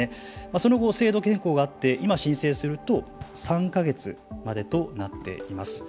その後、制度変更があって今、申請すると３か月までとなっています。